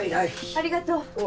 ありがとう。